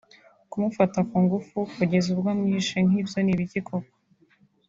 kumufata kungufu kugeza ubwo amwishe nkibyo n’ibiki koko